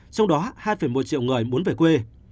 trong đó hai một triệu người muốn về quê